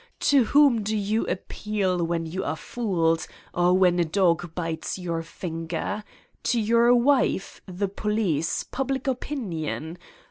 To whom do you appeal when you are fooled or when a dog bites your finger ? To your wife, the police, public opinion